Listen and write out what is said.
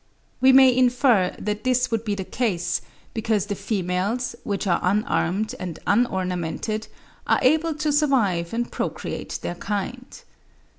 We may infer that this would be the case, because the females, which are unarmed and unornamented, are able to survive and procreate their kind.